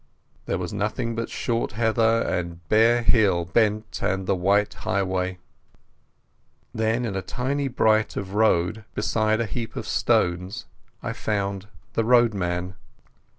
There was nothing but short heather, and bare hill bent, and the white highway. Then in a tiny bight of road, beside a heap of stones, I found the roadman.